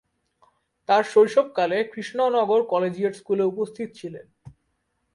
তার শৈশবকালে কৃষ্ণনগর কলেজিয়েট স্কুলে উপস্থিত ছিলেন।